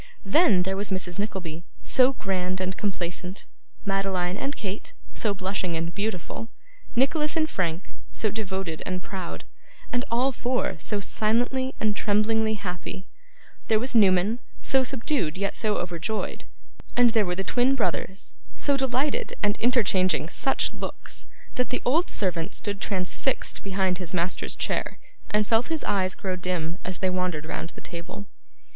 Then, there was Mrs Nickleby, so grand and complacent; Madeline and Kate, so blushing and beautiful; Nicholas and Frank, so devoted and proud; and all four so silently and tremblingly happy; there was Newman so subdued yet so overjoyed, and there were the twin brothers so delighted and interchanging such looks, that the old servant stood transfixed behind his master's chair, and felt his eyes grow dim as they wandered round the table.